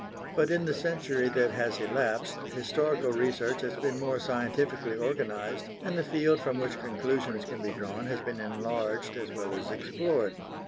But in the century that has elapsed historical research has been more scientifically organised and the field from which conclusions can be drawn has been enlarged as well as explored.